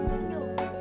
aku mau pergi dulu